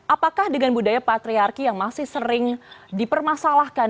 apakah dengan budaya patriarki yang masih sering dipermasalahkan